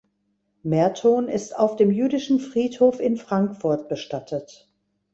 Merton ist auf dem jüdischen Friedhof in Frankfurt bestattet.